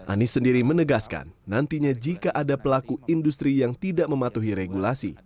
anies sendiri menegaskan nantinya jika ada pelaku industri yang tidak mematuhi regulasi